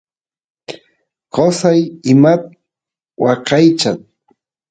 qosay imat waqaychan